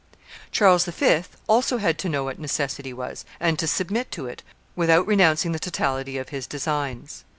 Charles V. also had to know what necessity was, and to submit to it, without renouncing the totality of his designs.